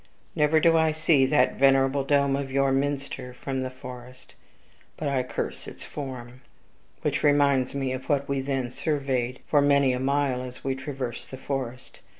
Never do I see that venerable dome of your minster from the forest, but I curse its form, which reminds me of what we then surveyed for many a mile as we traversed the forest.